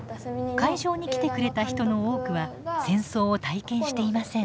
会場に来てくれた人の多くは戦争を体験していません。